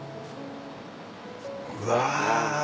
うわ。